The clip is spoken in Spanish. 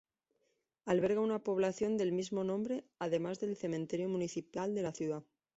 Alberga una población del mismo nombre, además del cementerio municipal de la ciudad.